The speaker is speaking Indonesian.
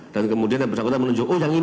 dan kemudian yang bersangkutan menunjukkan